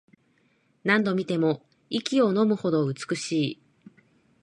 何度見ても息をのむほど美しい